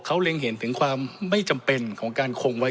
เขาเล็งเห็นถึงความไม่จำเป็นของการคงไว้